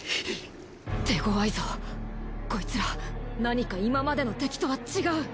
手強いぞこいつら何か今までの敵とは違う